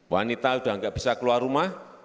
wanita sudah tidak bisa keluar rumah